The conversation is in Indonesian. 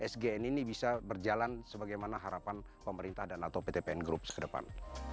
sgn ini bisa berjalan sebagaimana harapan pemerintah dan atau pt pn groups ke depan